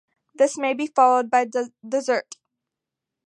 This may be followed by dessert.